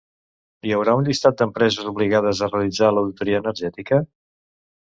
Hi haurà un llistat d'empreses obligades a realitzar l'auditoria energètica?